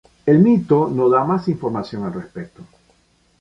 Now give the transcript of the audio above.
El mito no da más información al respecto.